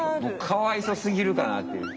かわいそすぎるかなっていう。